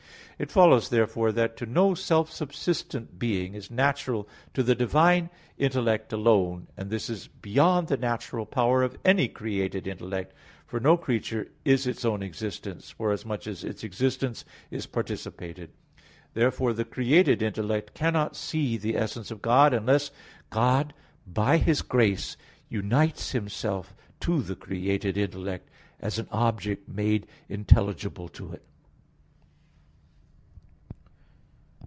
It follows therefore that to know self subsistent being is natural to the divine intellect alone; and this is beyond the natural power of any created intellect; for no creature is its own existence, forasmuch as its existence is participated. Therefore the created intellect cannot see the essence of God, unless God by His grace unites Himself to the created intellect, as an object made intelligible to it.